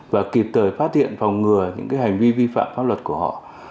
và kịp thời phát hiện phòng ngừa những hành vi vi phạm pháp luật của họ